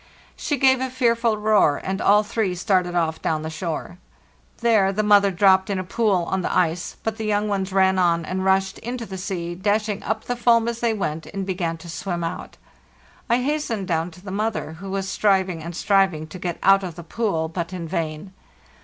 She gave a fear ful roar, and all three started off down the shore. There the mother dropped in a pool on the ice, but the young ones ran on and rushed into the sea, dashing up the foam as they went, and began to swim out. I hastened down to the mother, who was striving and striving to get out of the pool, but in vain.